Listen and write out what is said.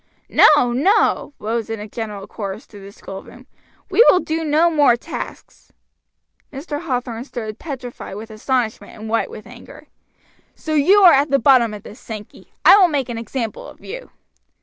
"No, no," rose in a general chorus through the schoolroom, "we will do no more tasks." Mr. Hathorn stood petrified with astonishment and white with anger. "So you are at the bottom of this, Sankey. I will make an example of you."